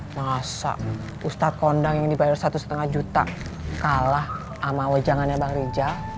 masa ustadz kondang yang dibayar satu lima juta kalah sama wejangannya bang rija